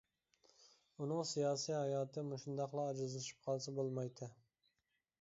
ئۇنىڭ سىياسىي ھاياتى مۇشۇنداقلا ئاجىزلىشىپ قالسا بولمايتتى.